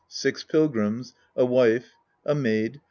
Six Pilgrims. A Wife, A Maid.